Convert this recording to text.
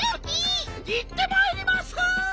いってまいります！